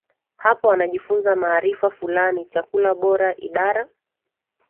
hapo anajifunza maarifa fulani chakula bora Idara